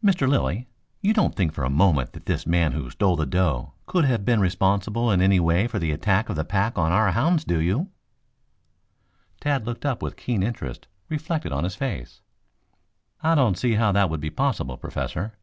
"Mr. Lilly, you don't think for a moment that this man who stole the doe could have been responsible in any way for the attack of the pack on our hounds, do you?" questioned the Professor. Tad looked up with keen interest reflected on his face. "I don't see how that would be possible, Professor.